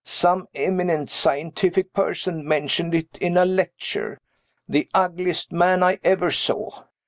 Some eminent scientific person mentioned it in a lecture. The ugliest man I ever saw.